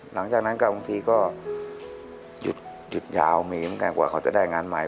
หลังจากนั้นก็บางทีก็หยุดยาวมีเหมือนกันกว่าเขาจะได้งานใหม่